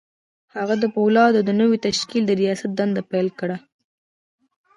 هغه د پولادو د نوي تشکيل د رياست دنده پيل کړه.